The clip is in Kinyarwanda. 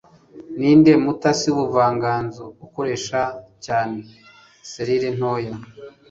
Ninde mutasi wubuvanganzo ukoresha cyane 'selile ntoya'?